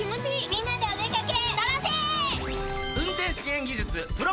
みんなでお出掛け。